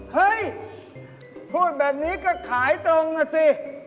เฮ้ยพูดแบบนี้ก็ขายตรงอ่ะสิ